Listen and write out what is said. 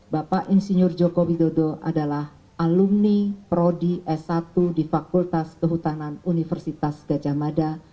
bapak insinyur joko widodo adalah alumni prodi s satu di fakultas kehutanan universitas gajah mada